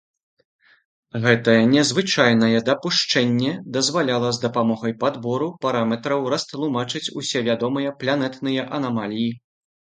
Гэта незвычайнае дапушчэнне дазваляла з дапамогай падбору параметраў растлумачыць усе вядомыя планетныя анамаліі.